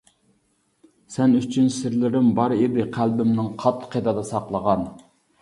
سەن ئۈچۈن-سىرلىرىم بار ئىدى، قەلبىمنىڭ قات-قېتىدا ساقلىغان.